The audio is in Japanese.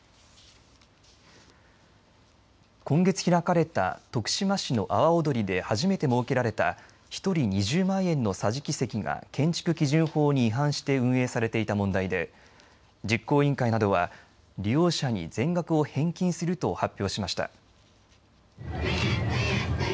今月開かれた徳島市の阿波おどりで初めて設けられた１人２０万円の桟敷席が建築基準法に違反して運営されていた問題で実行委員会などは利用者に全額を返金すると発表しました。